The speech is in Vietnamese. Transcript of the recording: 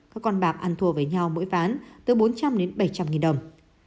các con bạc ăn thua với nhau mỗi ván từ bốn trăm linh đến bảy trăm linh nghìn đồng